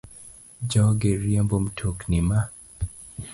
Jogi riembo mtokni ma